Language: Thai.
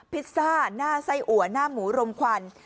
พิซซ่าหน้าไส้อัวหน้าหมูรมควัน